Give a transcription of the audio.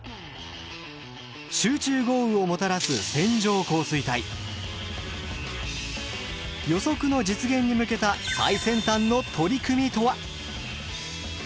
集中豪雨をもたらす予測の実現に向けた最先端の取り組みとは？